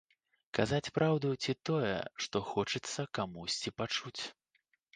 Казаць праўду ці тое, што хочацца камусьці пачуць.